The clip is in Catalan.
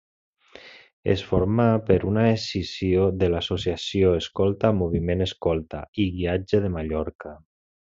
Es formà per una escissió de l'associació escolta Moviment Escolta i Guiatge de Mallorca.